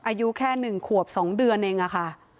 อายุแค่๑ขวบ๒เดือนเองอะค่ะ